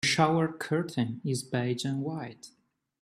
The shower curtain is beige and white.